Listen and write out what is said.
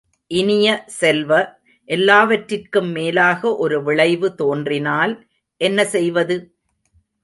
இனிய செல்வ, எல்லாவற்றிற்கும் மேலாக ஒரு விளைவு தோன்றினால் என்ன செய்வது?